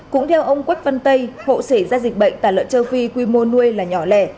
cũng theo ông quách văn tây hộ xảy ra dịch bệnh tà lợn châu phi quy mô nuôi là nhỏ lẻ